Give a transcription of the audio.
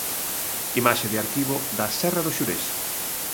Imaxe de arquivo da Serra do Xurés.